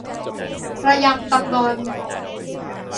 ระยำตำบอน